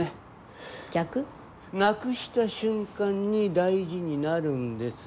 なくした瞬間に大事になるんですよ。